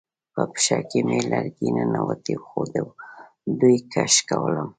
په پښه کې مې لرګی ننوتی و خو دوی کش کولم